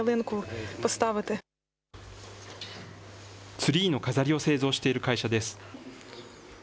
ツリーの飾りを製造している会社です。